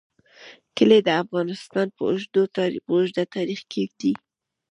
کلي د افغانستان په اوږده تاریخ کې دي.